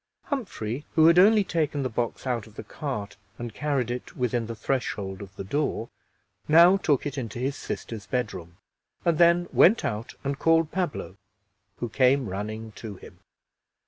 Humphrey, who had only taken the box out of the cart and carried it within the threshold of the door, now took it into his sisters' bedroom, and then went out and called Pablo, who came running to him.